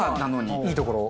いいところを。